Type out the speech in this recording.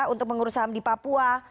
untuk mengurus saham di papua